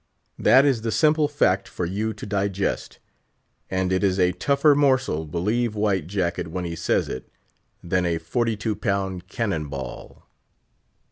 _ that is the simple fact for you to digest; and it is a tougher morsel, believe White Jacket when he says it, than a forty two pound cannon ball.